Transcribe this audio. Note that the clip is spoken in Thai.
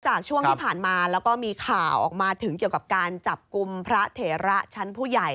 ช่วงที่ผ่านมาแล้วก็มีข่าวออกมาถึงเกี่ยวกับการจับกลุ่มพระเถระชั้นผู้ใหญ่